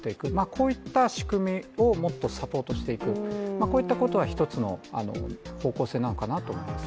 こういった仕組みをもっとサポートしていく、こういったことは一つの方向性なのかなと思います。